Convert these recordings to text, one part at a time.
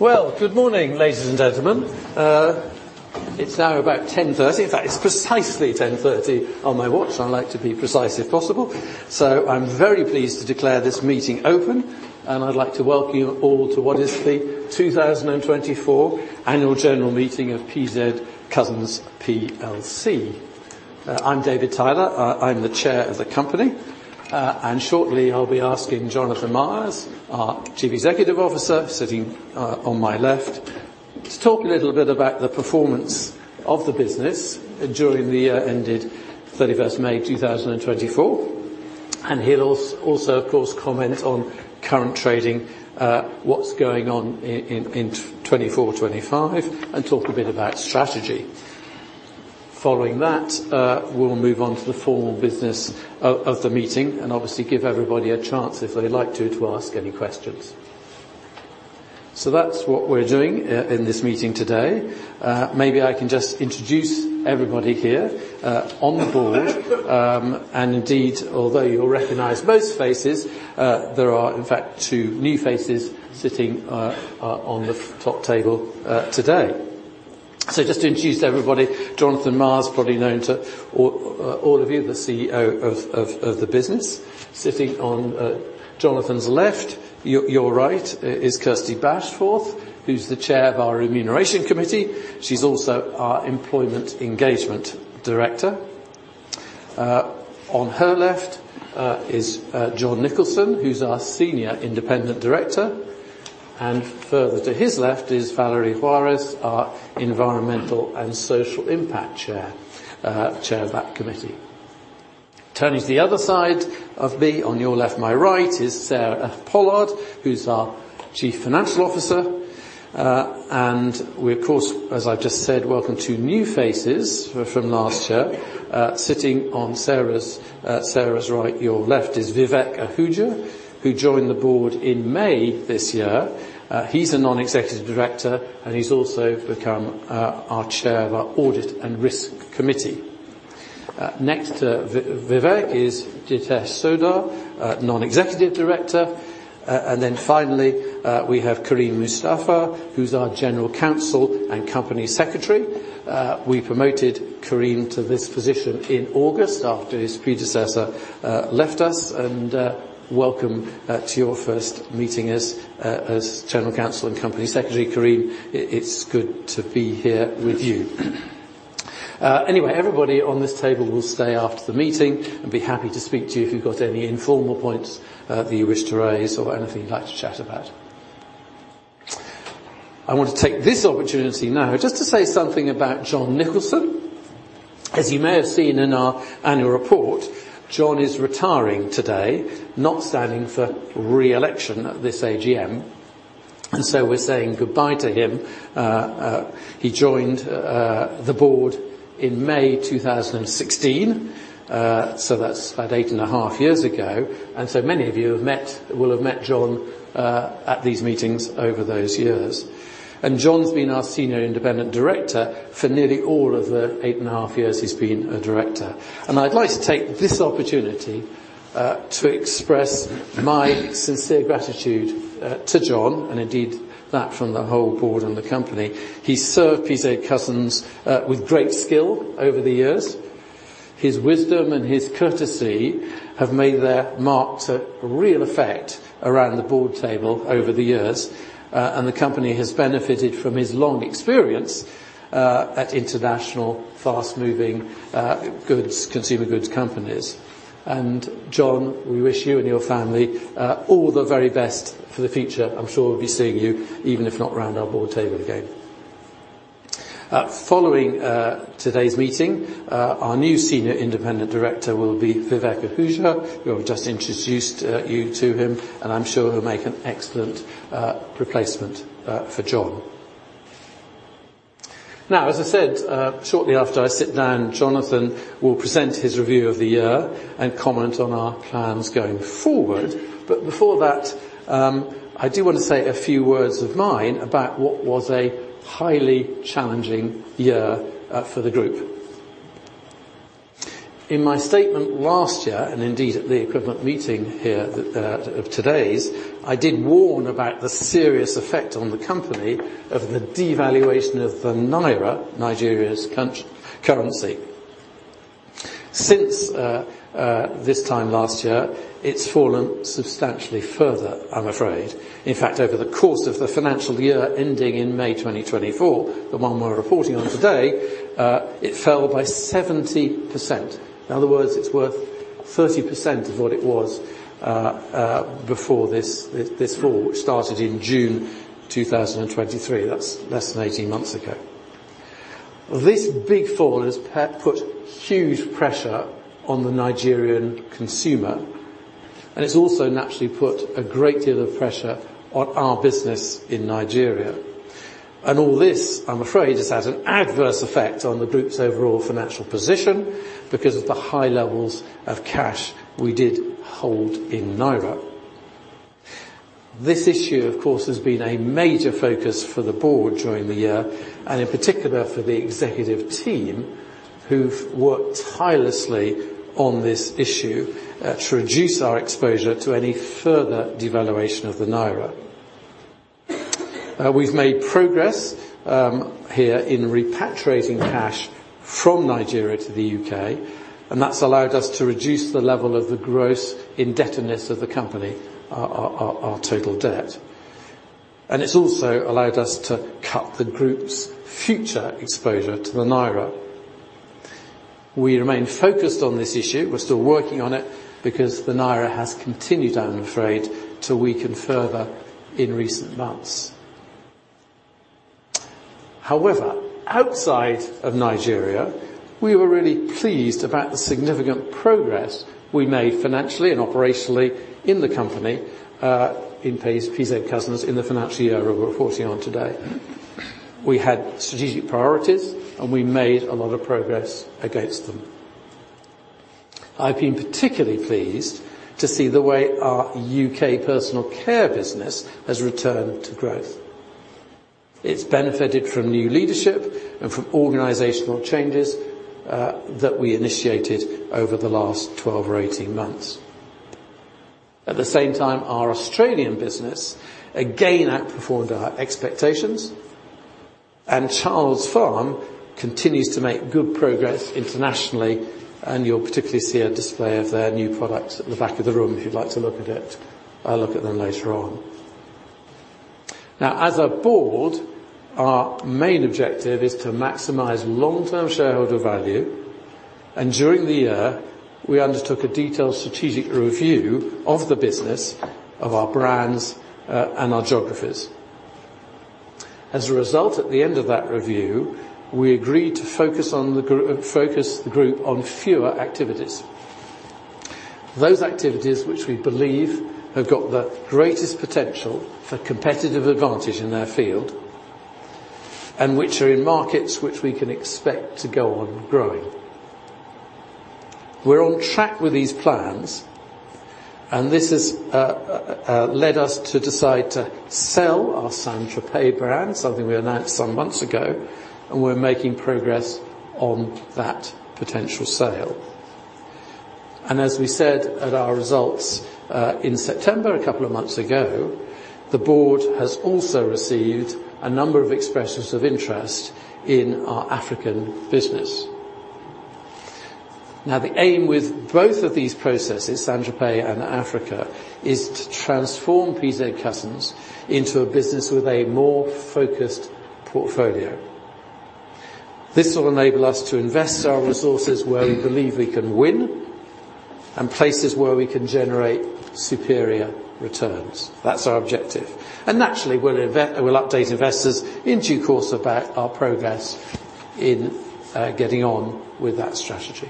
Well, good morning, ladies and gentlemen. It's now about 10:30 A.M. In fact, it's precisely 10:30 A.M. on my watch, so I like to be precise if possible. So I'm very pleased to declare this meeting open, and I'd like to welcome you all to what is the 2024 Annual General Meeting of PZ Cussons plc. I'm David Tyler. I'm the chair of the company, and shortly I'll be asking Jonathan Myers, our Chief Executive Officer, sitting on my left, to talk a little bit about the performance of the business during the year ended 31st May 2024. And he'll also, of course, comment on current trading, what's going on in 2024, 2025, and talk a bit about strategy. Following that, we'll move on to the formal business of the meeting and obviously give everybody a chance, if they'd like to, to ask any questions. So that's what we're doing in this meeting today. Maybe I can just introduce everybody here on the board. And indeed, although you'll recognize most faces, there are, in fact, two new faces sitting on the top table today. Just to introduce everybody, Jonathan Myers, probably known to all of you, the CEO of the business. Sitting on Jonathan's left, your right, is Kirsty Bashforth, who's the chair of our Remuneration Committee. She's also our Employment Engagement Director. On her left is John Nicolson, who's our Senior Independent Director. And further to his left is Valerie Diele-Braun, our Environmental and Social Impact Chair, chair of that committee. Turning to the other side of me, on your left, my right, is Sarah Pollard, who's our Chief Financial Officer. And we, of course, as I've just said, welcome two new faces from last year. Sitting on Sarah's right, your left, is Vivek Ahuja, who joined the board in May this year. He's a non-executive director, and he's also become our Chair of our Audit and Risk Committee. Next to Vivek is Jitesh Sodha, non-executive director. Then finally, we have Kareem Moustafa, who's our General Counsel and Company Secretary. We promoted Kareem to this position in August after his predecessor left us. Welcome to your first meeting as General Counsel and Company Secretary, Kareem. It's good to be here with you. Anyway, everybody on this table will stay after the meeting and be happy to speak to you if you've got any informal points that you wish to raise or anything you'd like to chat about. I want to take this opportunity now just to say something about John Nicolson. As you may have seen in our Annual Report, John is retiring today, not standing for re-election at this AGM. And so we're saying goodbye to him. He joined the board in May 2016. So that's about eight and a half years ago. And so many of you have met, will have met John, at these meetings over those years. And John's been our Senior Independent Director for nearly all of the eight and a half years he's been a director. And I'd like to take this opportunity to express my sincere gratitude to John, and indeed that from the whole board and the company. He's served PZ Cussons with great skill over the years. His wisdom and his courtesy have made their mark to real effect around the board table over the years. And the company has benefited from his long experience at international fast-moving consumer goods companies. And John, we wish you and your family all the very best for the future. I'm sure we'll be seeing you, even if not around our board table again. Following today's meeting, our new Senior Independent Director will be Vivek Ahuja. We've just introduced you to him, and I'm sure he'll make an excellent replacement for John. Now, as I said, shortly after I sit down, Jonathan will present his review of the year and comment on our plans going forward. But before that, I do want to say a few words of mine about what was a highly challenging year for the group. In my statement last year, and indeed at the equivalent meeting here, that of today's, I did warn about the serious effect on the company of the devaluation of the naira, Nigeria's currency. Since this time last year, it's fallen substantially further, I'm afraid. In fact, over the course of the financial year ending in May 2024, the one we're reporting on today, it fell by 70%. In other words, it's worth 30% of what it was, before this, this fall, which started in June 2023. That's less than 18 months ago. This big fall has put huge pressure on the Nigerian consumer, and it's also naturally put a great deal of pressure on our business in Nigeria, and all this, I'm afraid, has had an adverse effect on the group's overall financial position because of the high levels of cash we did hold in naira. This issue, of course, has been a major focus for the board during the year, and in particular for the executive team, who've worked tirelessly on this issue, to reduce our exposure to any further devaluation of the naira. We've made progress here in repatriating cash from Nigeria to the U.K., and that's allowed us to reduce the level of the gross indebtedness of the company, our total debt, and it's also allowed us to cut the group's future exposure to the naira. We remain focused on this issue. We're still working on it because the naira has continued, I'm afraid, to weaken further in recent months. However, outside of Nigeria, we were really pleased about the significant progress we made financially and operationally in the company, in PZ Cussons in the financial year we're reporting on today. We had strategic priorities, and we made a lot of progress against them. I've been particularly pleased to see the way our U.K. personal care business has returned to growth. It's benefited from new leadership and from organizational changes, that we initiated over the last 12 or 18 months. At the same time, our Australian business, again, outperformed our expectations, and Childs Farm continues to make good progress internationally. And you'll particularly see a display of their new products at the back of the room if you'd like to look at it, look at them later on. Now, as a board, our main objective is to maximize long-term shareholder value. And during the year, we undertook a detailed strategic review of the business, of our brands, and our geographies. As a result, at the end of that review, we agreed to focus on the group, focus the group on fewer activities. Those activities which we believe have got the greatest potential for competitive advantage in their field and which are in markets which we can expect to go on growing. We're on track with these plans, and this has led us to decide to sell our St. Tropez brand, something we announced some months ago, and we're making progress on that potential sale. And as we said at our results in September, a couple of months ago, the board has also received a number of expressions of interest in our African business. Now, the aim with both of these processes, St. Tropez and Africa, is to transform PZ Cussons into a business with a more focused portfolio. This will enable us to invest our resources where we believe we can win and places where we can generate superior returns. That's our objective. And naturally, we'll update investors in due course about our progress in getting on with that strategy.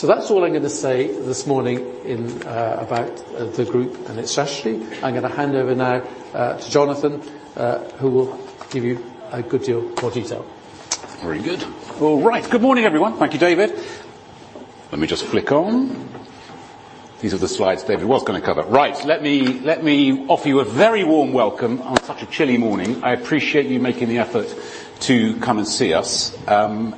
So that's all I'm gonna say this morning in about the group and its strategy. I'm gonna hand over now, to Jonathan, who will give you a good deal more detail. Very good. All right. Good morning, everyone. Thank you, David. Let me just flick on. These are the slides David was gonna cover. Right. Let me offer you a very warm welcome on such a chilly morning. I appreciate you making the effort to come and see us. And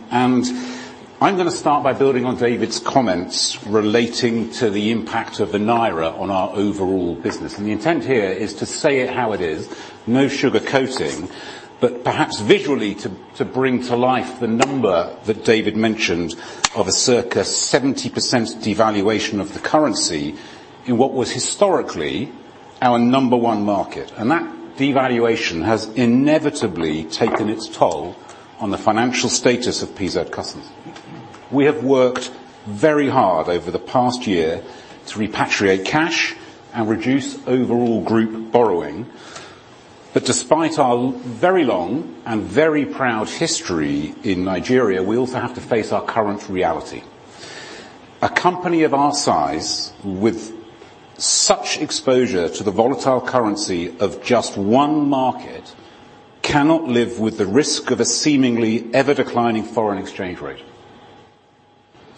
I'm gonna start by building on David's comments relating to the impact of the naira on our overall business. And the intent here is to say it how it is, no sugarcoating, but perhaps visually to bring to life the number that David mentioned of a circa 70% devaluation of the currency in what was historically our number one market. And that devaluation has inevitably taken its toll on the financial status of PZ Cussons. We have worked very hard over the past year to repatriate cash and reduce overall group borrowing. But despite our very long and very proud history in Nigeria, we also have to face our current reality. A company of our size, with such exposure to the volatile currency of just one market, cannot live with the risk of a seemingly ever-declining foreign exchange rate.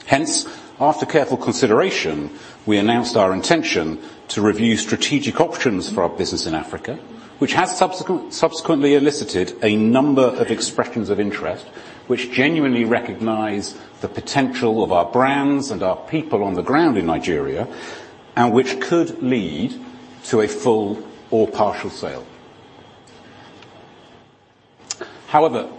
Hence, after careful consideration, we announced our intention to review strategic options for our business in Africa, which has subsequently elicited a number of expressions of interest which genuinely recognize the potential of our brands and our people on the ground in Nigeria and which could lead to a full or partial sale. However,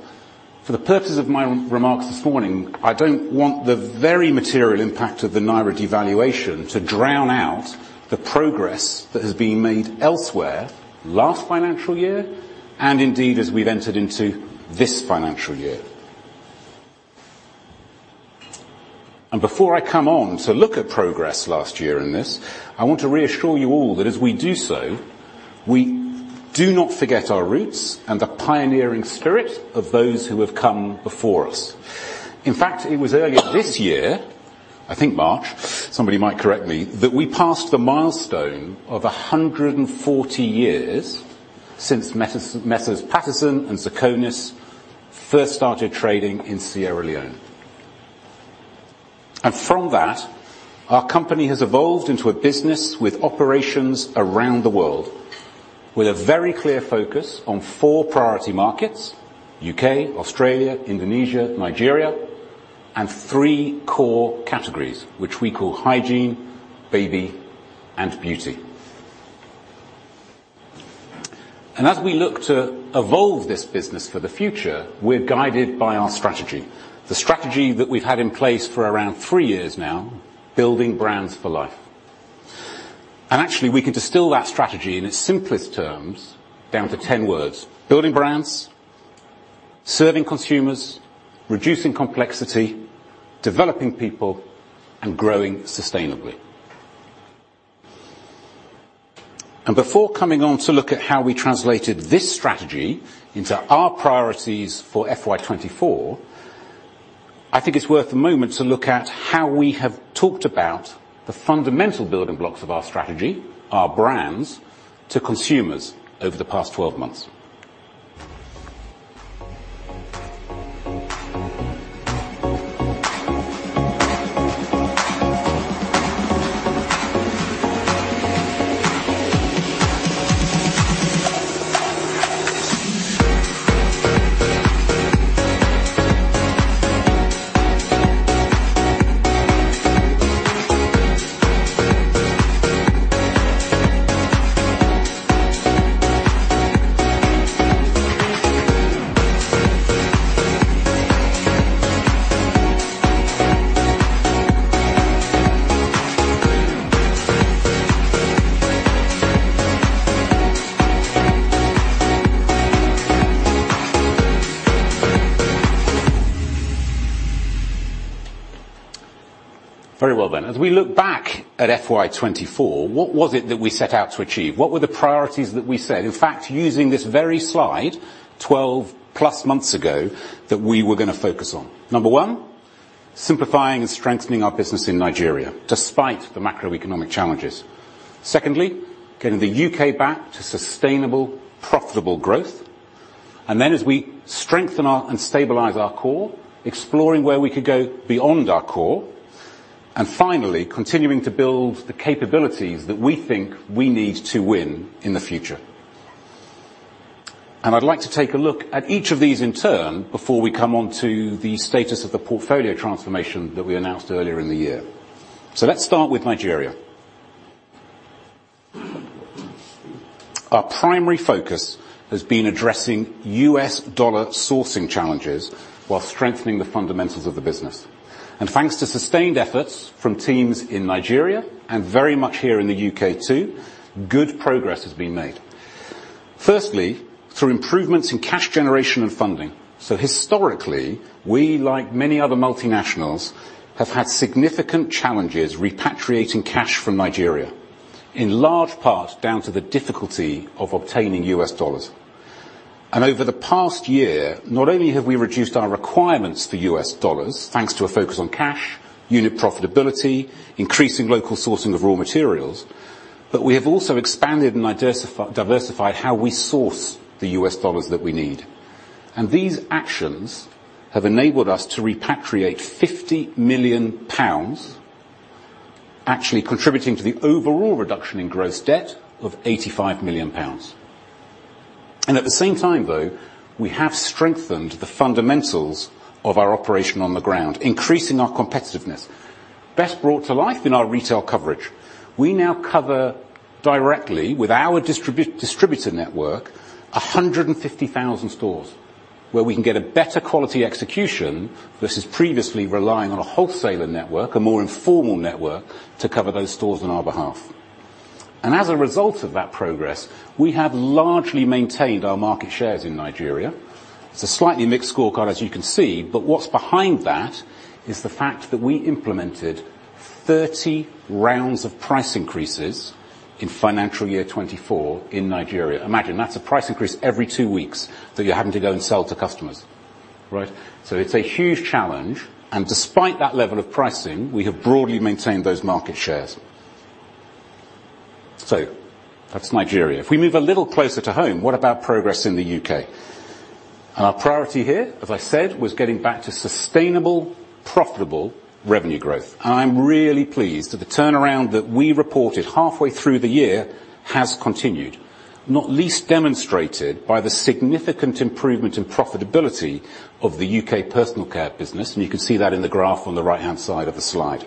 for the purposes of my remarks this morning, I don't want the very material impact of the naira devaluation to drown out the progress that has been made elsewhere last financial year and indeed as we've entered into this financial year. Before I come on to look at progress last year in this, I want to reassure you all that as we do so, we do not forget our roots and the pioneering spirit of those who have come before us. In fact, it was earlier this year, I think March, somebody might correct me, that we passed the milestone of 140 years since Messrs. Paterson and Zochonis first started trading in Sierra Leone. From that, our company has evolved into a business with operations around the world with a very clear focus on four priority markets: U.K., Australia, Indonesia, Nigeria, and three core categories which we call hygiene, baby, and beauty. As we look to evolve this business for the future, we're guided by our strategy, the strategy that we've had in place for around three years now, building brands for life. Actually, we can distill that strategy in its simplest terms down to 10 words: building brands, serving consumers, reducing complexity, developing people, and growing sustainably. Before coming on to look at how we translated this strategy into our priorities for FY 2024, I think it's worth a moment to look at how we have talked about the fundamental building blocks of our strategy, our brands, to consumers over the past 12 months. Very well then. As we look back at FY 2024, what was it that we set out to achieve? What were the priorities that we set? In fact, using this very slide 12-plus months ago that we were gonna focus on. Number one, simplifying and strengthening our business in Nigeria despite the macroeconomic challenges. Secondly, getting the U.K. back to sustainable, profitable growth. Then, as we strengthen and stabilize our core, exploring where we could go beyond our core. Finally, continuing to build the capabilities that we think we need to win in the future. I'd like to take a look at each of these in turn before we come on to the status of the portfolio transformation that we announced earlier in the year. Let's start with Nigeria. Our primary focus has been addressing U.S. dollar sourcing challenges while strengthening the fundamentals of the business. Thanks to sustained efforts from teams in Nigeria and very much here in the U.K. too, good progress has been made. Firstly, through improvements in cash generation and funding. Historically, we, like many other multinationals, have had significant challenges repatriating cash from Nigeria, in large part down to the difficulty of obtaining U.S. dollars. Over the past year, not only have we reduced our requirements for U.S. dollars, thanks to a focus on cash, unit profitability, increasing local sourcing of raw materials, but we have also expanded and diversified how we source the U.S. dollars that we need. These actions have enabled us to repatriate 50 million pounds, actually contributing to the overall reduction in gross debt of 85 million pounds. At the same time, though, we have strengthened the fundamentals of our operation on the ground, increasing our competitiveness, best brought to life in our retail coverage. We now cover directly with our distributor network 150,000 stores where we can get a better quality execution versus previously relying on a wholesaler network, a more informal network, to cover those stores on our behalf. As a result of that progress, we have largely maintained our market shares in Nigeria. It's a slightly mixed score, as you can see, but what's behind that is the fact that we implemented 30 rounds of price increases in financial year 2024 in Nigeria. Imagine that's a price increase every two weeks that you're having to go and sell to customers, right? So it's a huge challenge. And despite that level of pricing, we have broadly maintained those market shares. So that's Nigeria. If we move a little closer to home, what about progress in the U.K.? And our priority here, as I said, was getting back to sustainable, profitable revenue growth. And I'm really pleased that the turnaround that we reported halfway through the year has continued, not least demonstrated by the significant improvement in profitability of the U.K. personal care business. And you can see that in the graph on the right-hand side of the slide.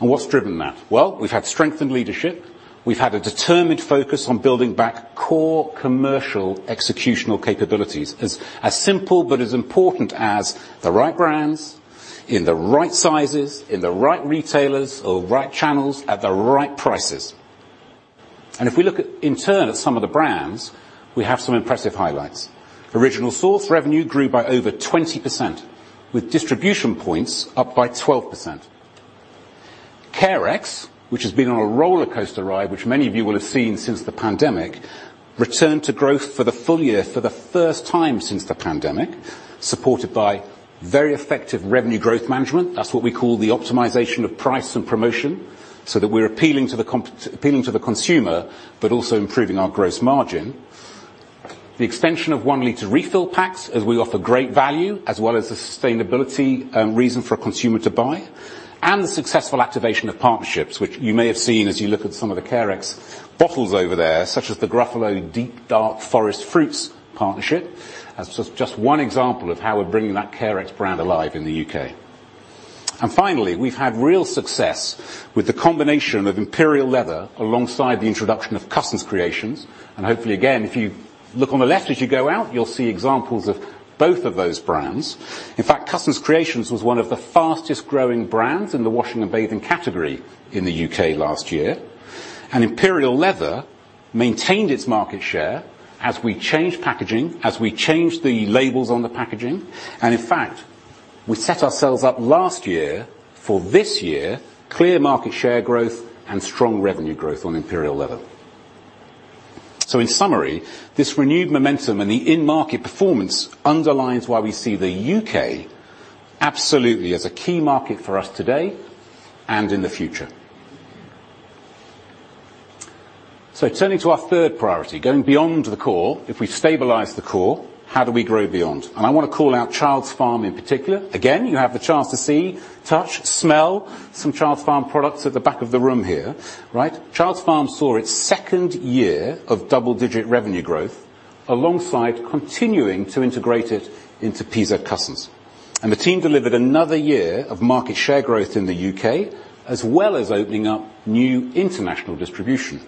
And what's driven that? We've had strengthened leadership. We've had a determined focus on building back core commercial executional capabilities as simple but as important as the right brands, in the right sizes, in the right retailers, our right channels at the right prices. And if we look in turn at some of the brands, we have some impressive highlights. Original Source revenue grew by over 20%, with distribution points up by 12%. Carex, which has been on a rollercoaster ride, which many of you will have seen since the pandemic, returned to growth for the full year for the first time since the pandemic, supported by very effective revenue growth management. That's what we call the optimization of price and promotion so that we're appealing to the consumer, but also improving our gross margin. The extension of one-liter refill packs as we offer great value, as well as the sustainability, reason for a consumer to buy, and the successful activation of partnerships, which you may have seen as you look at some of the Carex bottles over there, such as the Gruffalo Deep Dark Forest Fruits partnership, as just one example of how we're bringing that Carex brand alive in the U.K., and finally, we've had real success with the combination of Imperial Leather alongside the introduction of Cussons Creations. And hopefully, again, if you look on the left as you go out, you'll see examples of both of those brands. In fact, Cussons Creations was one of the fastest-growing brands in the washing and bathing category in the U.K. last year, and Imperial Leather maintained its market share as we changed packaging, as we changed the labels on the packaging. And in fact, we set ourselves up last year for this year clear market share growth and strong revenue growth on Imperial Leather. So in summary, this renewed momentum and the in-market performance underlines why we see the U.K. absolutely as a key market for us today and in the future. So turning to our third priority, going beyond the core, if we stabilise the core, how do we grow beyond? And I wanna call out Childs Farm in particular. Again, you have the chance to see, touch, smell some Childs Farm products at the back of the room here, right? Childs Farm saw its second year of double-digit revenue growth alongside continuing to integrate it into PZ Cussons. And the team delivered another year of market share growth in the U.K., as well as opening up new international distribution.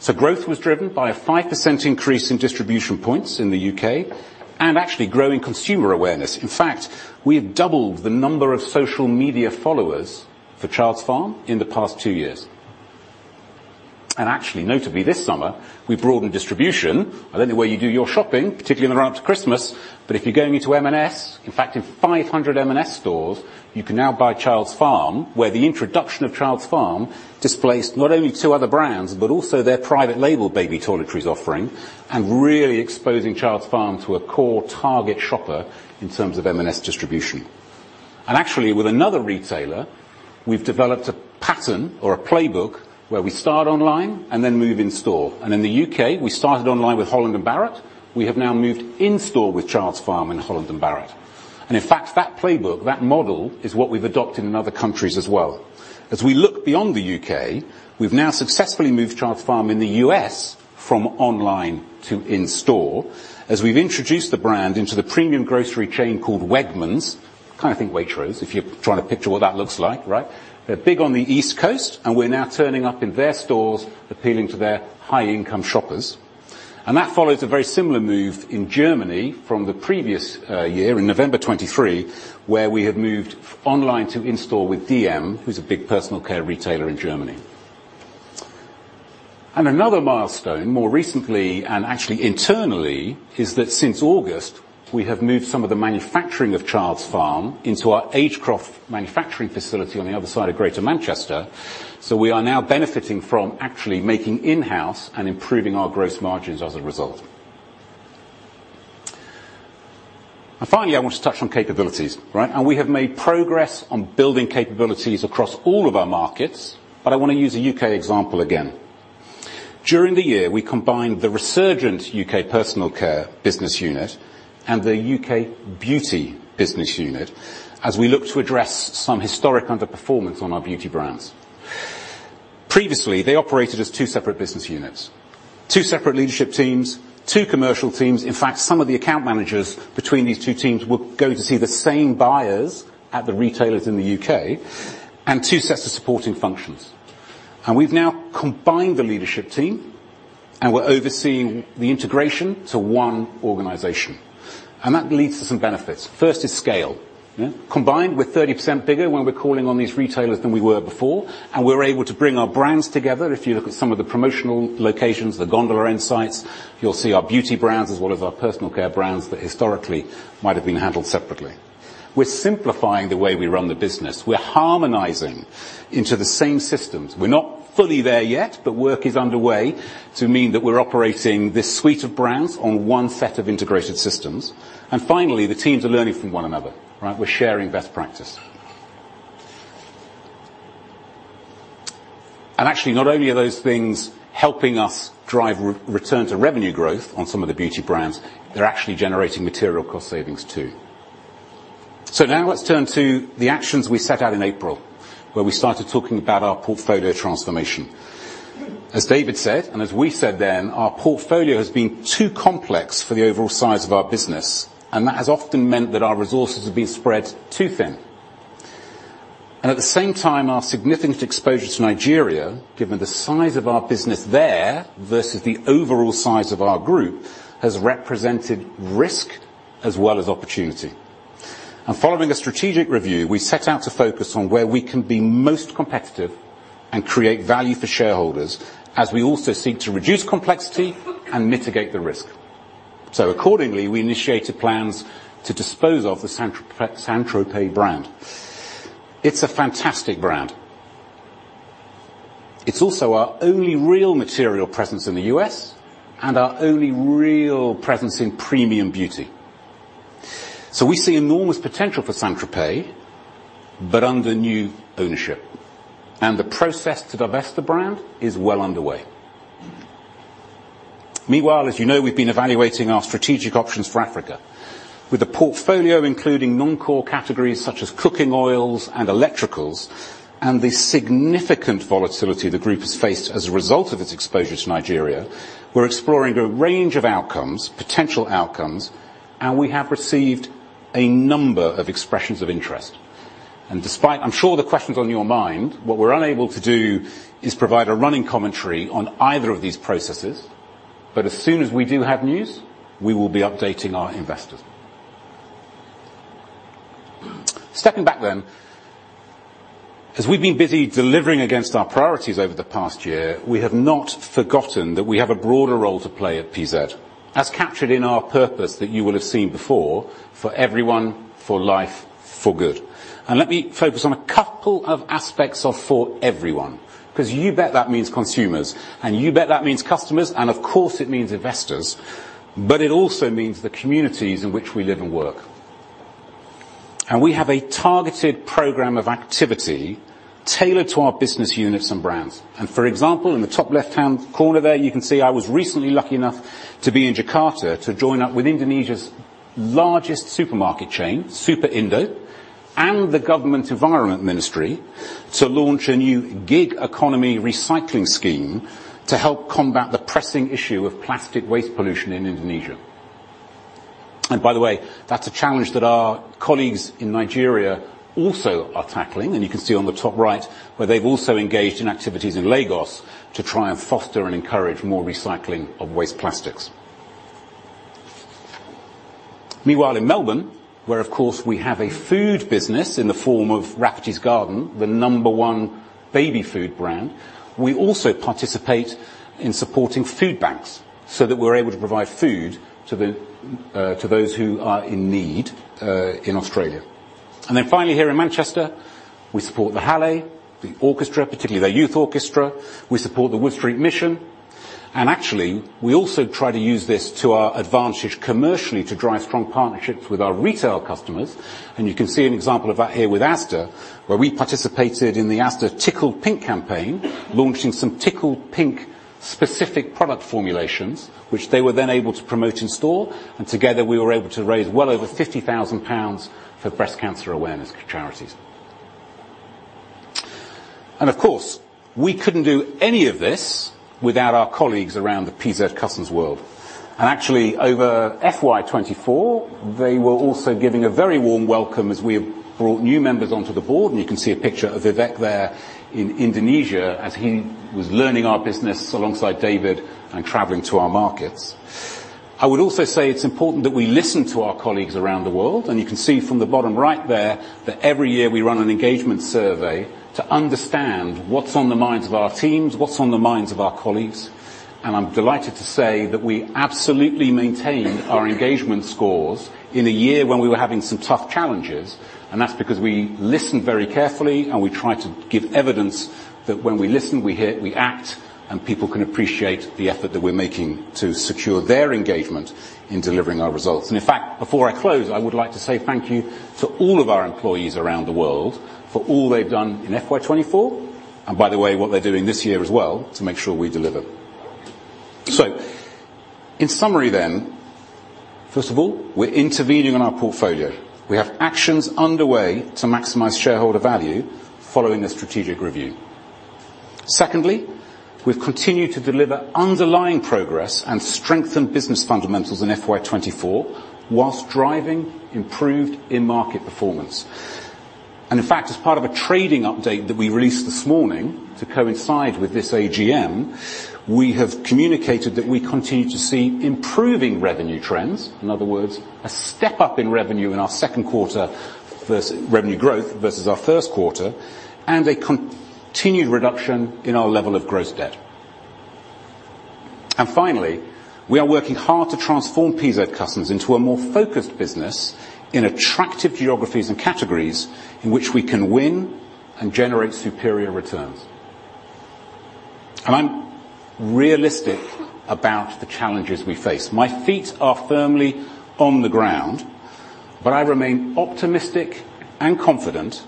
So growth was driven by a 5% increase in distribution points in the U.K. and actually growing consumer awareness. In fact, we have doubled the number of social media followers for Childs Farm in the pa.st two years. And actually, notably this summer, we broadened distribution. I don't know where you do your shopping, particularly in the run-up to Christmas, but if you're going into M&S, in fact, in 500 M&S stores, you can now buy Childs Farm, where the introduction of Childs Farm displaced not only two other brands, but also their private label baby toiletries offering and really exposing Childs Farm to a core target shopper in terms of M&S distribution. And actually, with another retailer, we've developed a pattern or a playbook where we start online and then move in store. And in the U.K., we started online with Holland & Barrett. We have now moved in store with Childs Farm and Holland & Barrett, and in fact, that playbook, that model is what we've adopted in other countries as well. As we look beyond the U.K., we've now successfully moved Childs Farm in the U.S. from online to in store, as we've introduced the brand into the premium grocery chain called Wegmans. Kind of think Waitrose if you're trying to picture what that looks like, right? They're big on the East Coast, and we're now turning up in their stores, appealing to their high-income shoppers. That follows a very similar move in Germany from the previous year in November 2023, where we have moved online to in store with DM, who's a big personal care retailer in Germany. Another milestone more recently and actually internally is that since August, we have moved some of the manufacturing of Childs Farm into our Agecroft manufacturing facility on the other side of Greater Manchester. So we are now benefiting from actually making in-house and improving our gross margins as a result. Finally, I want to touch on capabilities, right? We have made progress on building capabilities across all of our markets, but I wanna use a U.K. example again. During the year, we combined the resurgent U.K. personal care business unit and the U.K. beauty business unit as we looked to address some historic underperformance on our beauty brands. Previously, they operated as two separate business units, two separate leadership teams, two commercial teams. In fact, some of the account managers between these two teams would go to see the same buyers at the retailers in the U.K. and two sets of supporting functions, and we've now combined the leadership team, and we're overseeing the integration to one organization. And that leads to some benefits. First is scale, yeah? Combined we're 30% bigger when we're calling on these retailers than we were before, and we're able to bring our brands together. If you look at some of the promotional locations, the gondola insights, you'll see our beauty brands as well as our personal care brands that historically might have been handled separately. We're simplifying the way we run the business. We're harmonizing into the same systems. We're not fully there yet, but work is underway to mean that we're operating this suite of brands on one set of integrated systems. Finally, the teams are learning from one another, right? We're sharing best practice. Actually, not only are those things helping us drive return to revenue growth on some of the beauty brands, they're actually generating material cost savings too. Now let's turn to the actions we set out in April, where we started talking about our portfolio transformation. As David said, and as we said then, our portfolio has been too complex for the overall size of our business, and that has often meant that our resources have been spread too thin. At the same time, our significant exposure to Nigeria, given the size of our business there versus the overall size of our group, has represented risk as well as opportunity. Following a strategic review, we set out to focus on where we can be most competitive and create value for shareholders as we also seek to reduce complexity and mitigate the risk. Accordingly, we initiated plans to dispose of the St. Tropez brand. It's a fantastic brand. It's also our only real material presence in the U.S. and our only real presence in premium beauty. We see enormous potential for St. Tropez, but under new ownership. The process to divest the brand is well underway. Meanwhile, as you know, we've been evaluating our strategic options for Africa. With the portfolio including non-core categories such as cooking oils and electricals and the significant volatility the group has faced as a result of its exposure to Nigeria, we're exploring a range of outcomes, and we have received a number of expressions of interest. Despite I'm sure the question's on your mind, what we're unable to do is provide a running commentary on either of these processes, but as soon as we do have news, we will be updating our investors. Stepping back then, as we've been busy delivering against our priorities over the past year, we have not forgotten that we have a broader role to play at PZ, as captured in our purpose that you will have seen before, for everyone, for life, for good. Let me focus on a couple of aspects of for everyone, because you bet that means consumers, and you bet that means customers, and of course, it means investors, but it also means the communities in which we live and work. We have a targeted program of activity tailored to our business units and brands. For example, in the top left-hand corner there, you can see I was recently lucky enough to be in Jakarta to join up with Indonesia's largest supermarket chain, Super Indo, and the government environment ministry to launch a new gig economy recycling scheme to help combat the pressing issue of plastic waste pollution in Indonesia. By the way, that's a challenge that our colleagues in Nigeria also are tackling, and you can see on the top right where they've also engaged in activities in Lagos to try and foster and encourage more recycling of waste plastics. Meanwhile, in Melbourne, where of course we have a food business in the form of Rafferty's Garden, the number one baby food brand, we also participate in supporting food banks so that we're able to provide food to those who are in need, in Australia. Then finally here in Manchester, we support the Hallé, the orchestra, particularly their youth orchestra. We support the Wood Street Mission. Actually, we also try to use this to our advantage commercially to drive strong partnerships with our retail customers. You can see an example of that here with Asda, where we participated in the Asda Tickled Pink campaign, launching some Tickled Pink-specific product formulations, which they were then able to promote in store. Together, we were able to raise well over 50,000 pounds for breast cancer awareness charities. Of course, we couldn't do any of this without our colleagues around the PZ Cussons world. Actually, over FY 2024, they were also giving a very warm welcome as we brought new members onto the board. And you can see a picture of Vivek there in Indonesia as he was learning our business alongside David and travelling to our markets. I would also say it's important that we listen to our colleagues around the world. And you can see from the bottom right there that every year we run an engagement survey to understand what's on the minds of our teams, what's on the minds of our colleagues. And I'm delighted to say that we absolutely maintained our engagement scores in a year when we were having some tough challenges. And that's because we listened very carefully, and we tried to give evidence that when we listen, we hear, we act, and people can appreciate the effort that we're making to secure their engagement in delivering our results. In fact, before I close, I would like to say thank you to all of our employees around the world for all they've done in FY 2024, and by the way, what they're doing this year as well to make sure we deliver. So in summary then, first of all, we're intervening on our portfolio. We have actions underway to maximize shareholder value following a strategic review. Secondly, we've continued to deliver underlying progress and strengthen business fundamentals in FY 2024 while driving improved in-market performance. In fact, as part of a trading update that we released this morning to coincide with this AGM, we have communicated that we continue to see improving revenue trends, in other words, a step up in revenue in our second quarter versus revenue growth versus our first quarter, and a continued reduction in our level of gross debt. And finally, we are working hard to transform PZ Cussons into a more focused business in attractive geographies and categories in which we can win and generate superior returns. And I'm realistic about the challenges we face. My feet are firmly on the ground, but I remain optimistic and confident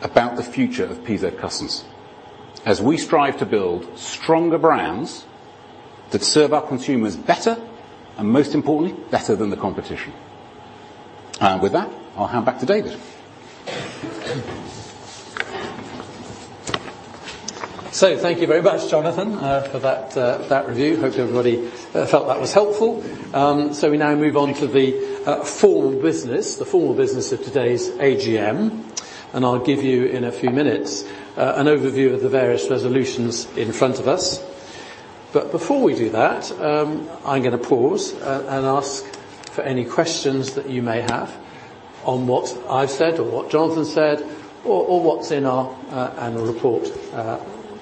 about the future of PZ Cussons as we strive to build stronger brands that serve our consumers better and, most importantly, better than the competition. And with that, I'll hand back to David. So thank you very much, Jonathan, for that review. Hope everybody felt that was helpful. So we now move on to the formal business of today's AGM. And I'll give you in a few minutes an overview of the various resolutions in front of us. But before we do that, I'm gonna pause and ask for any questions that you may have on what I've said or what Jonathan said or what's in our Annual Report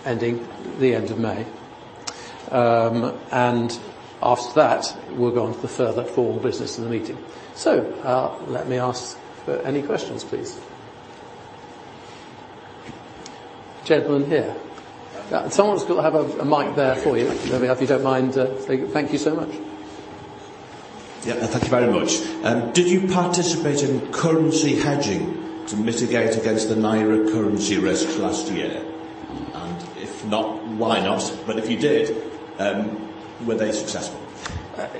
ending the end of May, and after that, we'll go on to the further formal business of the meeting. So, let me ask for any questions, please. Gentlemen here, someone's got to have a mic there for you. Maybe if you don't mind, say thank you so much. Yeah, thank you very much. Did you participate in currency hedging to mitigate against the Naira currency risk last year? And if not, why not? But if you did, were they successful?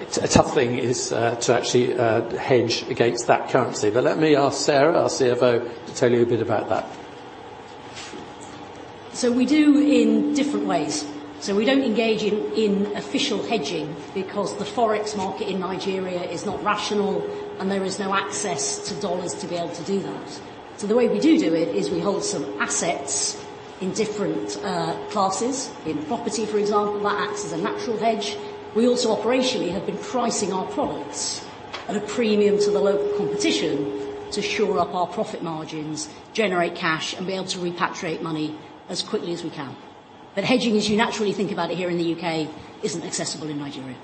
It's a tough thing to actually hedge against that currency. But let me ask Sarah, our CFO, to tell you a bit about that. We do it in different ways. We don't engage in official hedging because the forex market in Nigeria is not rational, and there is no access to dollars to be able to do that. The way we do it is we hold some assets in different classes. In property, for example, that acts as a natural hedge. We also operationally have been pricing our products at a premium to the local competition to shore up our profit margins, generate cash, and be able to repatriate money as quickly as we can. But hedging, as you naturally think about it here in the U.K., isn't accessible in Nigeria.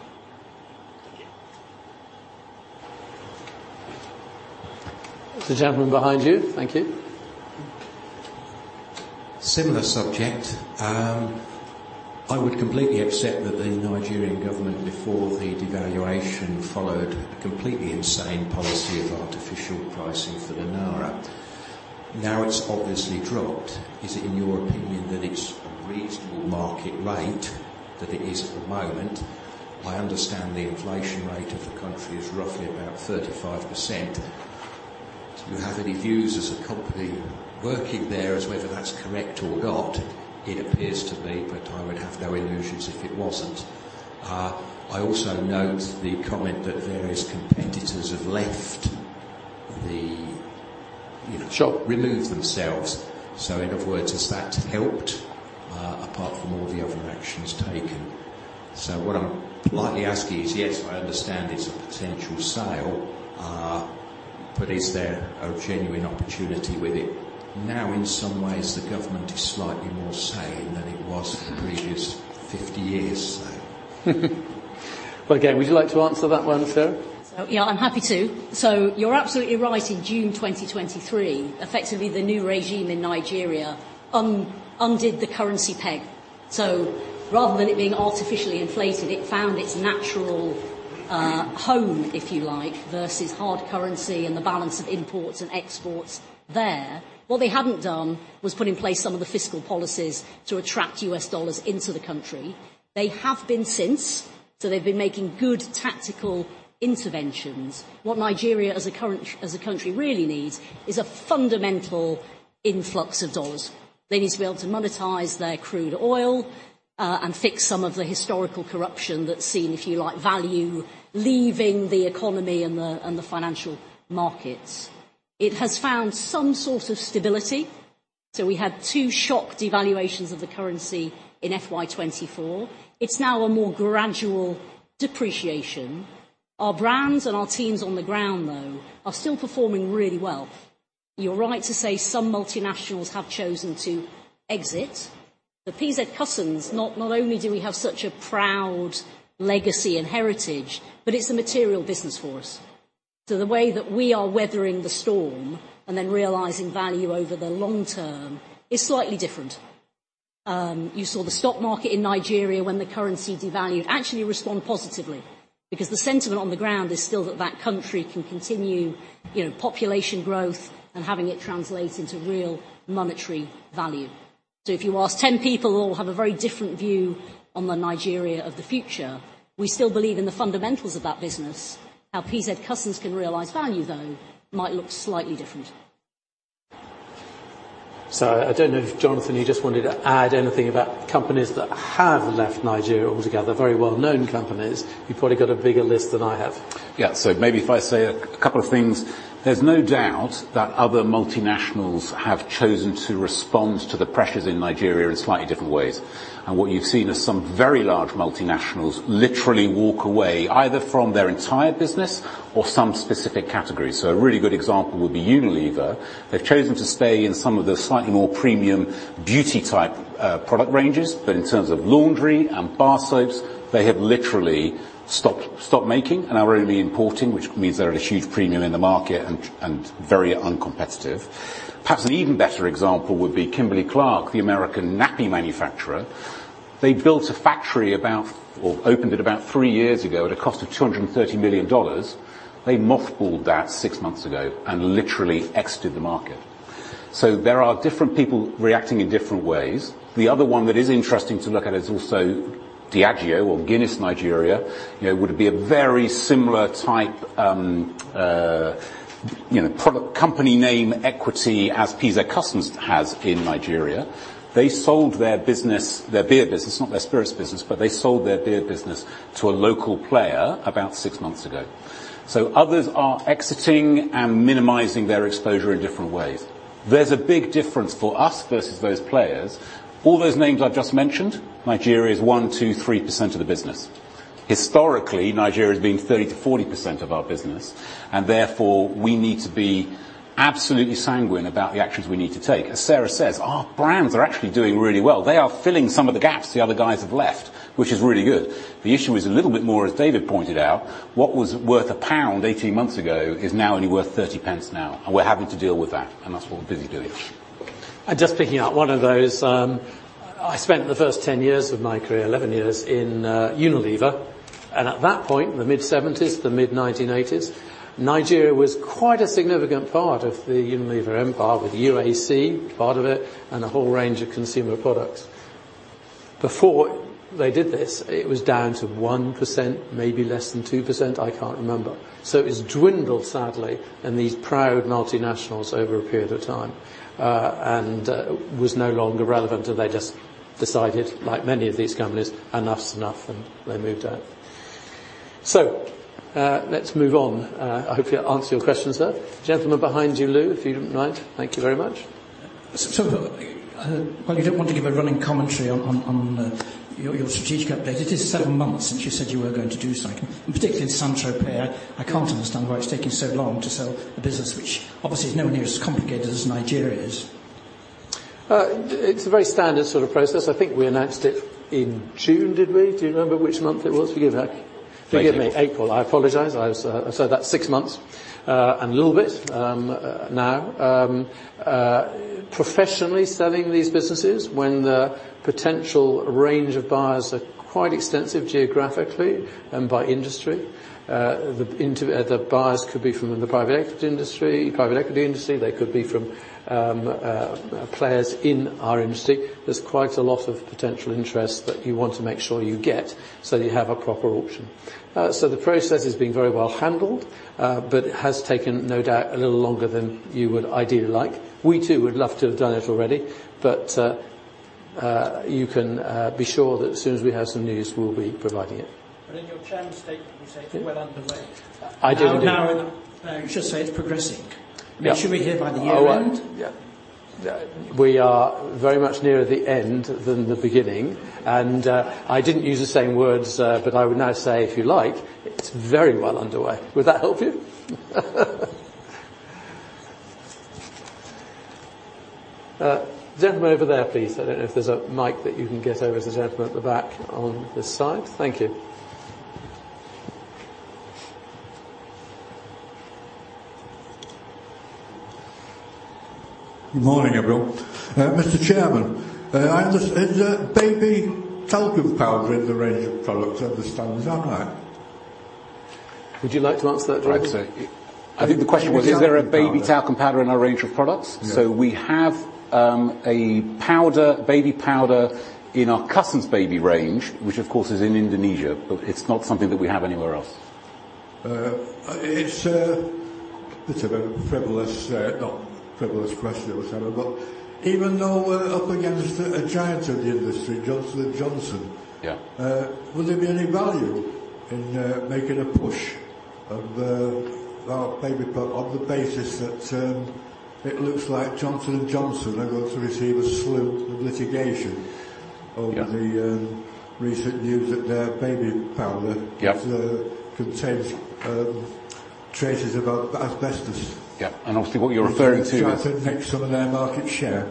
Thank you. The gentleman behind you, thank you. Similar subject. I would completely accept that the Nigerian government, before the devaluation, followed a completely insane policy of artificial pricing for the naira. Now it's obviously dropped. Is it, in your opinion, that it's a reasonable market rate that it is at the moment? I understand the inflation rate of the country is roughly about 35%. Do you have any views as a company working there as whether that's correct or not? It appears to be, but I would have no illusions if it wasn't. I also note the comment that various competitors have left the, you know. Sure. Removed themselves. So in other words, has that helped, apart from all the other actions taken? So what I'm politely asking is, yes, I understand it's a potential sale, but is there a genuine opportunity with it? Now, in some ways, the government is slightly more sane than it was in the previous 50 years' time. Again, would you like to answer that one, Sarah? So, yeah, I'm happy to. So you're absolutely right. In June 2023, effectively the new regime in Nigeria undid the currency peg. So rather than it being artificially inflated, it found its natural home, if you like, versus hard currency and the balance of imports and exports there. What they hadn't done was put in place some of the fiscal policies to attract U.S. dollars into the country. They have been since, so they've been making good tactical interventions. What Nigeria, as a country really needs is a fundamental influx of dollars. They need to be able to monetize their crude oil, and fix some of the historical corruption that's seen, if you like, value leaving the economy and the financial markets. It has found some sort of stability. So we had two shock devaluations of the currency in FY 2024. It's now a more gradual depreciation. Our brands and our teams on the ground, though, are still performing really well. You're right to say some multinationals have chosen to exit. The PZ Cussons, not, not only do we have such a proud legacy and heritage, but it's a material business for us. So the way that we are weathering the storm and then realizing value over the long term is slightly different. You saw the stock market in Nigeria when the currency devalued actually respond positively because the sentiment on the ground is still that that country can continue, you know, population growth and having it translate into real monetary value. So if you ask 10 people, they'll all have a very different view on the Nigeria of the future. We still believe in the fundamentals of that business. How PZ Cussons can realize value, though, might look slightly different. So I don't know if Jonathan, you just wanted to add anything about companies that have left Nigeria altogether, very well-known companies. You've probably got a bigger list than I have. Yeah, so maybe if I say a couple of things, there's no doubt that other multinationals have chosen to respond to the pressures in Nigeria in slightly different ways. And what you've seen are some very large multinationals literally walk away either from their entire business or some specific categories. So a really good example would be Unilever. They've chosen to stay in some of the slightly more premium beauty type, product ranges. But in terms of laundry and bar soaps, they have literally stopped, stopped making and are only importing, which means they're at a huge premium in the market and, and very uncompetitive. Perhaps an even better example would be Kimberly-Clark, the American nappy manufacturer. They built a factory about, or opened it about three years ago at a cost of $230 million. They mothballed that six months ago and literally exited the market. So there are different people reacting in different ways. The other one that is interesting to look at is also Diageo or Guinness Nigeria. You know, would it be a very similar type, you know, product company name equity as PZ Cussons has in Nigeria? They sold their business, their beer business, not their spirits business, but they sold their beer business to a local player about six months ago. So others are exiting and minimizing their exposure in different ways. There's a big difference for us versus those players. All those names I've just mentioned, Nigeria is one, two, three percent of the business. Historically, Nigeria has been 30%-40% of our business, and therefore we need to be absolutely sanguine about the actions we need to take. As Sarah says, our brands are actually doing really well. They are filling some of the gaps the other guys have left, which is really good. The issue is a little bit more, as David pointed out, what was worth GBP 1.00 18 months ago is now only worth 0.30 now. And we're having to deal with that, and that's what we're busy doing. And just picking out one of those, I spent the first 10 years of my career, 11 years in Unilever. And at that point, the mid-1970s, the mid-1980s, Nigeria was quite a significant part of the Unilever empire with UAC part of it and a whole range of consumer products. Before they did this, it was down to 1%, maybe less than 2%. I can't remember. So it's dwindled, sadly, and these proud multinationals over a period of time, and was no longer relevant. And they just decided, like many of these companies, enough's enough, and they moved out. So, let's move on. I hope you answer your questions, sir. Gentleman behind you, Lou, if you don't mind. Thank you very much. You don't want to give a running commentary on your strategic update. It is seven months since you said you were going to do something, and particularly in St. Tropez. I can't understand why it's taking so long to sell a business, which obviously is nowhere near as complicated as Nigeria is. It's a very standard sort of process. I think we announced it in June, did we? Do you remember which month it was? Forgive me. April. I apologise. I was. I said that six months, and a little bit, now. Professionally selling these businesses when the potential range of buyers are quite extensive geographically and by industry. Then the buyers could be from the private equity industry. They could be from players in our industry. There's quite a lot of potential interest that you want to make sure you get so you have a proper auction. So the process has been very well handled, but it has taken, no doubt, a little longer than you would ideally like. We too would love to have done it already, but you can be sure that as soon as we have some news, we'll be providing it. But in your terms statement, you say it's well underway. I didn't do that. Now, now you should say it's progressing. Yeah. Make sure we hear by the year end. Oh, yeah. Yeah. We are very much nearer the end than the beginning. And I didn't use the same words, but I would now say, if you like, it's very well underway. Would that help you? Gentlemen over there, please. I don't know if there's a mic that you can get over to the gentleman at the back on this side. Thank you. Good morning, everyone. Mr. Chairman, I understand there's a baby talcum powder in the range of products at this time. Is that right? Would you like to answer that directly? I would say, I think the question was, is there a baby talcum powder in our range of products? So we have a powder, baby powder in our Cussons Baby range, which of course is in Indonesia, but it's not something that we have anywhere else. It's a bit of a frivolous, not frivolous question, which I don't got. Even though we're up against a giant of the industry, Johnson & Johnson. Yeah. Will there be any value in making a push of our baby product on the basis that it looks like Johnson & Johnson are going to receive a slew of litigation over the recent news that their baby powder? Yeah. Contains traces of asbestos. Yeah. And obviously what you're referring to. That's going to try to nick some of their market share.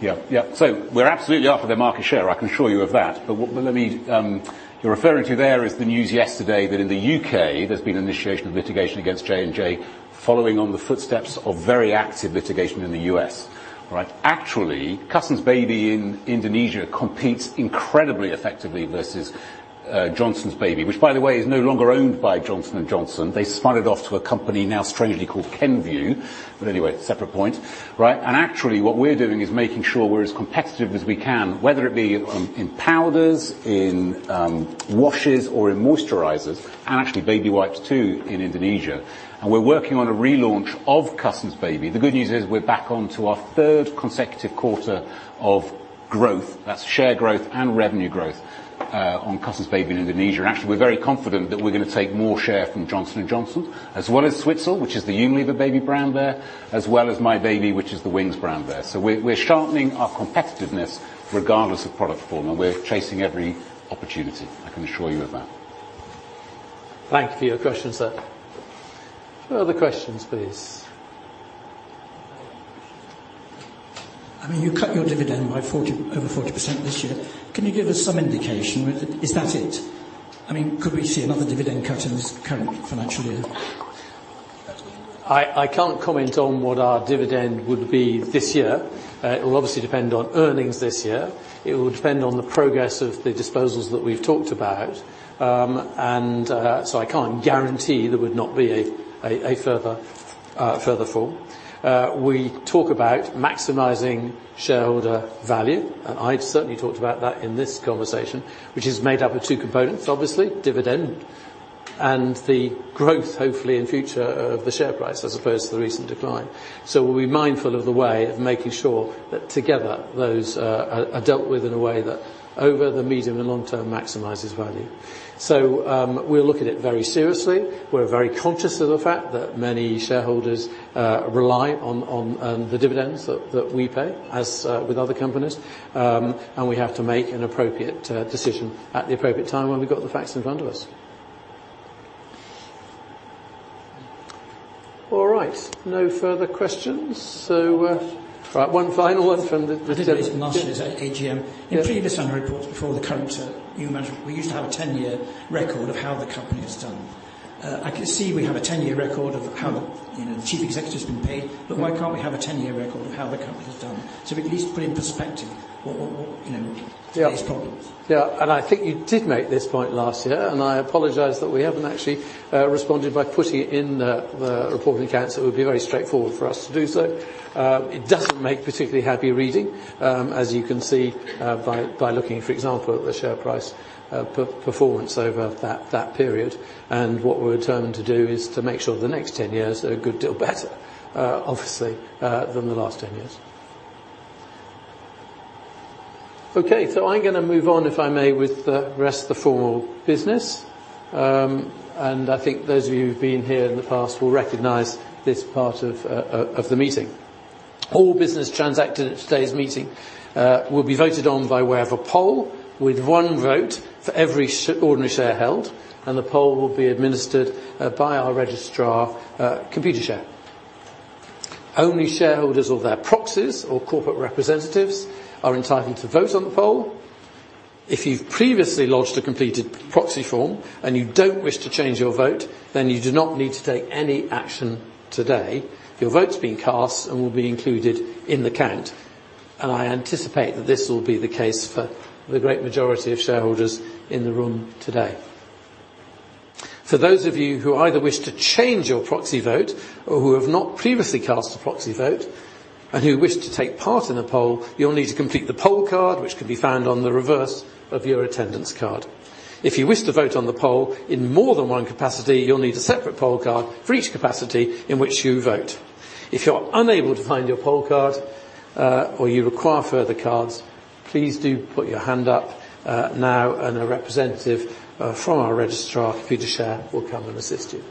Yeah. Yeah. So we're absolutely up for their market share. I can assure you of that. But you're referring to there is the news yesterday that in the U.K. there's been an initiation of litigation against J&J following on the footsteps of very active litigation in the U.S., right? Actually, Cussons Baby in Indonesia competes incredibly effectively versus Johnson's Baby, which by the way is no longer owned by Johnson & Johnson. They spun it off to a company now strangely called Kenvue. But anyway, separate point, right? And actually what we're doing is making sure we're as competitive as we can, whether it be in powders, washes, or in moisturizers, and actually baby wipes too in Indonesia. And we're working on a relaunch of Cussons Baby. The good news is we're back onto our third consecutive quarter of growth. That's share growth and revenue growth, on Cussons Baby in Indonesia. And actually we're very confident that we're going to take more share from Johnson & Johnson as well as Zwitsal, which is the Unilever baby brand there, as well as My Baby, which is the Wings brand there. So we're, we're sharpening our competitiveness regardless of product form, and we're chasing every opportunity. I can assure you of that. Thank you for your question, sir. Further questions, please. I mean, you cut your dividend by 40, over 40% this year. Can you give us some indication? Is that it? I mean, could we see another dividend cut in this current financial year? I can't comment on what our dividend would be this year. It will obviously depend on earnings this year. It will depend on the progress of the disposals that we've talked about, and so I can't guarantee there would not be a further fall. We talk about maximizing shareholder value, and I've certainly talked about that in this conversation, which is made up of two components, obviously dividend and the growth hopefully in future of the share price as opposed to the recent decline, so we'll be mindful of the way of making sure that together those are dealt with in a way that over the medium and long term maximizes value, so we'll look at it very seriously. We're very conscious of the fact that many shareholders rely on the dividends that we pay as with other companies. And we have to make an appropriate decision at the appropriate time when we've got the facts in front of us. All right. No further questions. So, all right, one final one from the. [David Mason] is at AGM. In previous summer reports before the current, new management, we used to have a 10-year record of how the company has done. I can see we have a 10-year record of how the, you know, the chief executive's been paid, but why can't we have a 10-year record of how the company has done? So we at least put in perspective what, you know, these problems. Yeah. And I think you did make this point last year, and I apologize that we haven't actually responded by putting it in the reporting accounts. It would be very straightforward for us to do so. It doesn't make particularly happy reading, as you can see by looking, for example, at the share price performance over that period. And what we're determined to do is to make sure the next 10 years are a good deal better, obviously, than the last 10 years. Okay, so I'm going to move on, if I may, with the rest of the formal business, and I think those of you who've been here in the past will recognize this part of the meeting. All business transacted at today's meeting will be voted on by way of a poll with one vote for every ordinary share held, and the poll will be administered by our registrar, Computershare. Only shareholders or their proxies or corporate representatives are entitled to vote on the poll. If you've previously lodged a completed proxy form and you don't wish to change your vote, then you do not need to take any action today. Your vote's been cast and will be included in the count, and I anticipate that this will be the case for the great majority of shareholders in the room today. For those of you who either wish to change your proxy vote or who have not previously cast a proxy vote and who wish to take part in the poll, you'll need to complete the poll card, which can be found on the reverse of your attendance card. If you wish to vote on the poll in more than one capacity, you'll need a separate poll card for each capacity in which you vote. If you're unable to find your poll card, or you require further cards, please do put your hand up, now, and a representative from our registrar, Computershare, will come and assist you.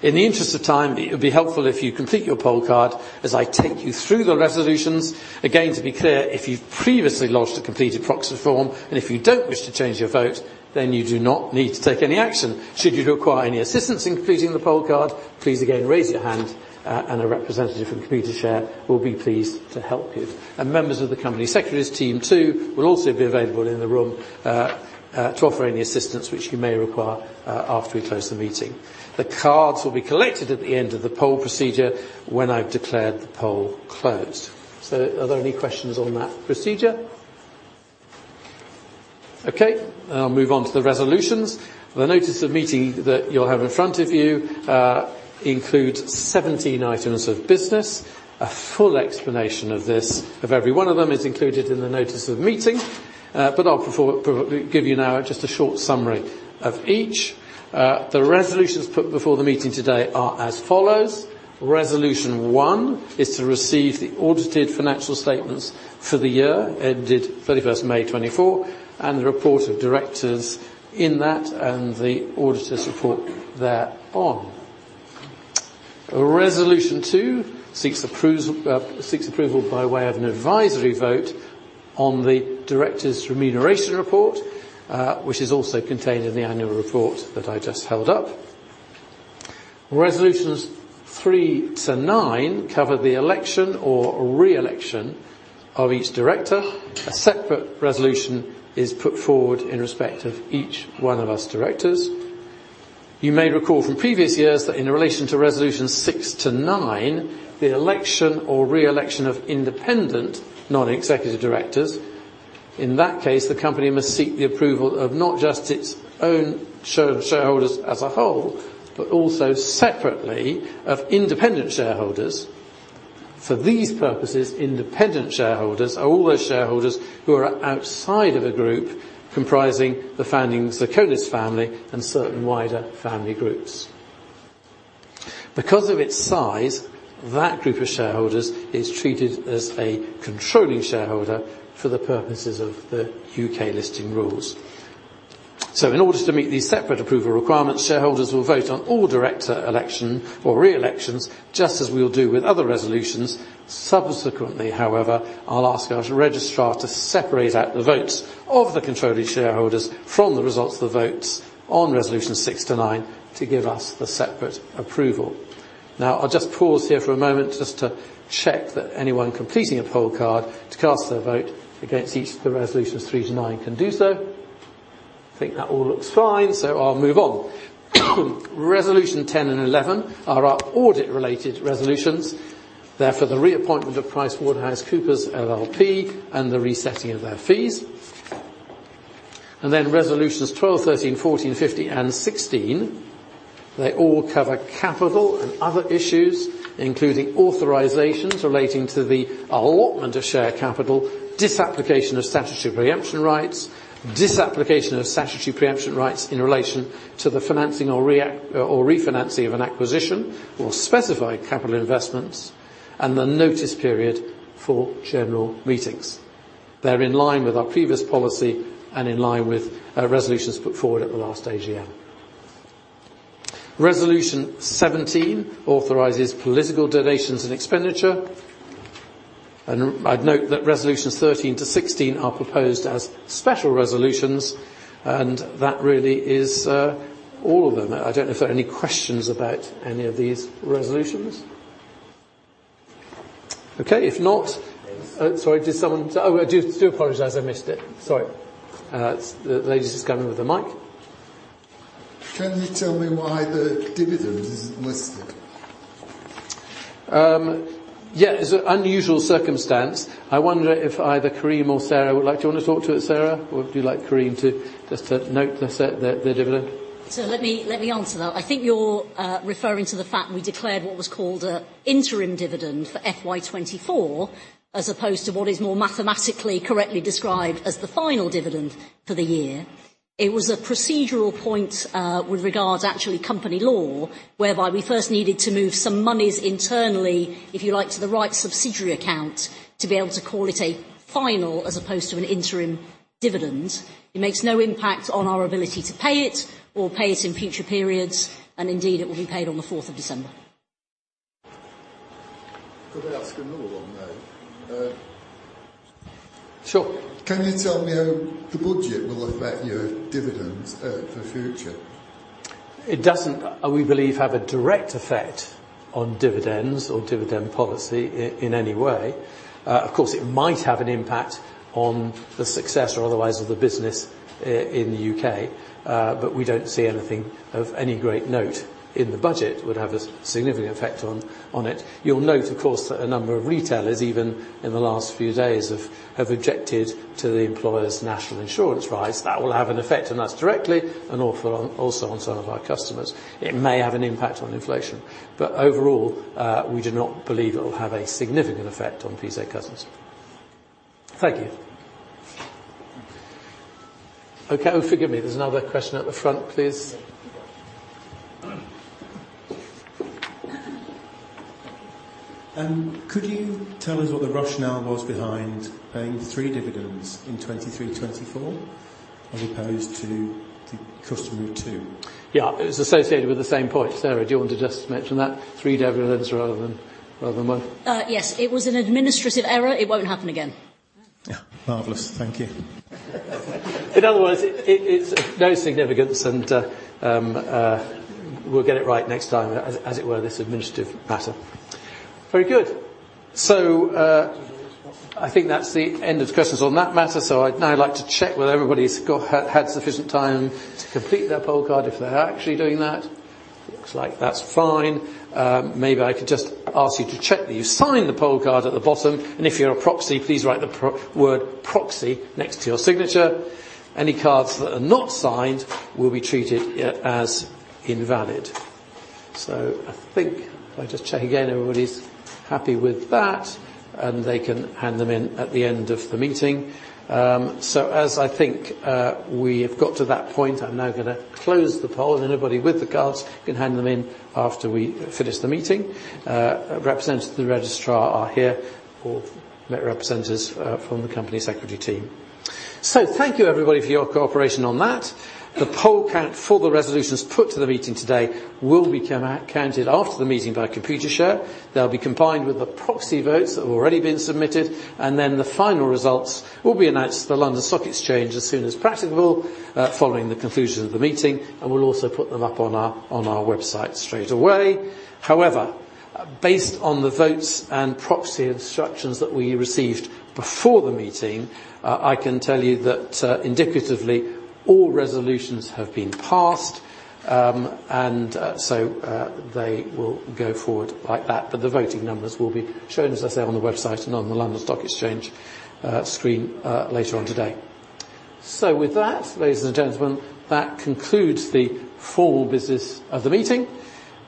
In the interest of time, it would be helpful if you complete your poll card as I take you through the resolutions. Again, to be clear, if you've previously lodged a completed proxy form and if you don't wish to change your vote, then you do not need to take any action. Should you require any assistance in completing the poll card, please again raise your hand, and a representative from Computershare will be pleased to help you. And members of the Company Secretary's team too will also be available in the room, to offer any assistance which you may require, after we close the meeting. The cards will be collected at the end of the poll procedure when I've declared the poll closed. So are there any questions on that procedure? Okay. Then I'll move on to the resolutions. The notice of meeting that you'll have in front of you, includes 17 items of business. A full explanation of this, of every one of them, is included in the notice of meeting. But I'll provide you now just a short summary of each. The resolutions put before the meeting today are as follows. Resolution one is to receive the audited financial statements for the year ended 31st May 2024 and the report of directors in that and the auditor's report thereon. Resolution two seeks approval by way of an advisory vote on the Directors' Remuneration Report, which is also contained in the annual report that I just held up. Resolutions three to nine cover the election or re-election of each director. A separate resolution is put forward in respect of each one of us directors. You may recall from previous years that in relation to resolutions six to nine, the election or re-election of independent non-executive directors, in that case, the company must seek the approval of not just its own shareholders as a whole, but also separately of independent shareholders. For these purposes, independent shareholders are all those shareholders who are outside of a group comprising the founding Zochonis family and certain wider family groups. Because of its size, that group of shareholders is treated as a controlling shareholder for the purposes of the U.K. listing rules. So in order to meet these separate approval requirements, shareholders will vote on all director election or re-elections just as we'll do with other resolutions. Subsequently, however, I'll ask our registrar to separate out the votes of the controlling shareholders from the results of the votes on resolutions six to nine to give us the separate approval. Now, I'll just pause here for a moment just to check that anyone completing a poll card to cast their vote against each of the resolutions three to nine can do so. I think that all looks fine, so I'll move on. Resolution 10 and 11 are our audit-related resolutions. They're for the reappointment of PricewaterhouseCoopers LLP and the resetting of their fees. And then resolutions 12, 13, 14, 15, and 16, they all cover capital and other issues including authorizations relating to the allotment of share capital, disapplication of statutory preemption rights, disapplication of statutory preemption rights in relation to the financing or reacquisition or refinancing of an acquisition, or specified capital investments, and the notice period for general meetings. They're in line with our previous policy and in line with resolutions put forward at the last AGM. Resolution 17 authorises political donations and expenditure. And I'd note that Resolutions 13-16 are proposed as special resolutions, and that really is, all of them. I don't know if there are any questions about any of these resolutions. Okay. If not, sorry, did someone? Oh, I do apologize. I missed it. Sorry. The lady's just coming with the mic. Can you tell me why the dividend isn't listed? Yeah, it's an unusual circumstance. I wonder if either Kareem or Sarah would like to talk to it, Sarah, or would you like Kareem to just note the dividend? So let me, let me answer that. I think you're referring to the fact we declared what was called an interim dividend for FY 2024 as opposed to what is more mathematically correctly described as the final dividend for the year. It was a procedural point with regards actually company law whereby we first needed to move some monies internally, if you like, to the right subsidiary account to be able to call it a final as opposed to an interim dividend. It makes no impact on our ability to pay it or pay it in future periods, and indeed it will be paid on the 4th of December. Could I ask another one now? Sure. Can you tell me how the budget will affect your dividends for future? It doesn't, we believe, have a direct effect on dividends or dividend policy in any way. Of course, it might have an impact on the success or otherwise of the business, in the U.K., but we don't see anything of any great note in the budget would have a significant effect on, on it. You'll note, of course, that a number of retailers, even in the last few days, have objected to the Employer's National Insurance rise. That will have an effect, and that's directly and awfully on also on some of our customers. It may have an impact on inflation, but overall, we do not believe it'll have a significant effect on PZ Cussons. Thank you. Okay. Oh, forgive me. There's another question at the front, please. Could you tell us what the rationale was behind paying three dividends in 2023/2024 as opposed to the customary two? Yeah. It was associated with the same point. Sarah, do you want to just mention that? Three dividends rather than, rather than one? Yes. It was an administrative error. It won't happen again. Yeah. Marvellous. Thank you. In other words, it is of no significance, and we'll get it right next time, as it were, this administrative matter. Very good. So, I think that's the end of the questions on that matter. So I'd now like to check whether everybody's had sufficient time to complete their poll card if they're actually doing that. Looks like that's fine. Maybe I could just ask you to check that you signed the poll card at the bottom, and if you're a proxy, please write the word proxy next to your signature. Any cards that are not signed will be treated as invalid. So I think if I just check again, everybody's happy with that, and they can hand them in at the end of the meeting. So as I think, we have got to that point. I'm now going to close the poll, and anybody with the cards can hand them in after we finish the meeting. Representatives of the registrar are here, representatives from the company secretary team. So thank you, everybody, for your cooperation on that. The poll count for the resolutions put to the meeting today will be counted after the meeting by Computershare. They'll be combined with the proxy votes that have already been submitted, and then the final results will be announced to the London Stock Exchange as soon as practicable, following the conclusion of the meeting, and we'll also put them up on our website straight away. However, based on the votes and proxy instructions that we received before the meeting, I can tell you that, indicatively, all resolutions have been passed, and, so, they will go forward like that. But the voting numbers will be shown, as I say, on the website and on the London Stock Exchange screen, later on today. So with that, ladies and gentlemen, that concludes the formal business of the meeting.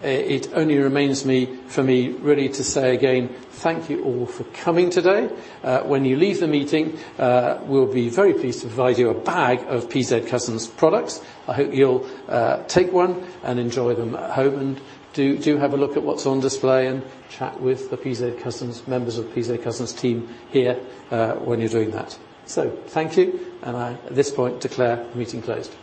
It only remains for me really to say again, thank you all for coming today. When you leave the meeting, we'll be very pleased to provide you a bag of PZ Cussons products. I hope you'll take one and enjoy them at home and do have a look at what's on display and chat with the PZ Cussons members of PZ Cussons team here, when you're doing that. So thank you, and I, at this point, declare the meeting closed.